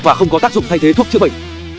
và không có tác dụng thay thế thuốc chữa bệnh